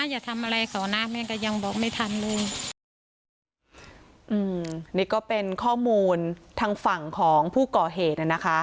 อย่าทำอะไรเขานะแม่ก็ยังบอกไม่ทันเลยอืมนี่ก็เป็นข้อมูลทางฝั่งของผู้ก่อเหตุอ่ะนะคะ